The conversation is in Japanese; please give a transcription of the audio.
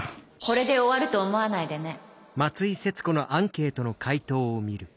これで終わると思わないでね。